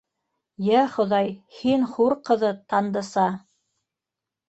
- Йә Хоҙай! һин хур ҡыҙы, Тандыса!